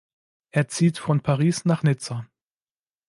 Er zieht von Paris nach Nizza.